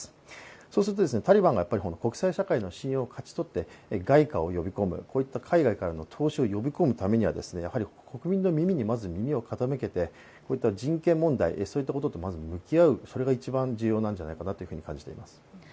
そうするとタリバンが国際社会の信用を勝ち取って外貨を呼び込む、こういった海外からの投資を呼び込むためには国民に耳を傾けてこういった人権問題、そういったこととまず向き合うことが重要なんじゃないかなと感じています。